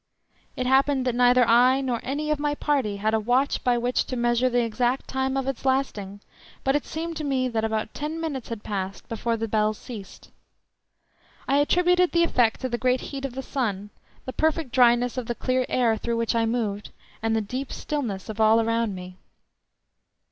It happened that neither I nor any of my party had a watch by which to measure the exact time of its lasting, but it seemed to me that about ten minutes had passed before the bells ceased. I attributed the effect to the great heat of the sun, the perfect dryness of the clear air through which I moved, and the deep stillness of all around me.